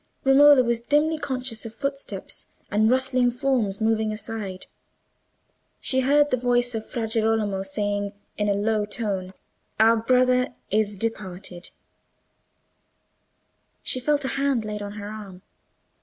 Romola was dimly conscious of footsteps and rustling forms moving aside: she heard the voice of Fra Girolamo saying, in a low tone, "Our brother is departed;" she felt a hand laid on her arm.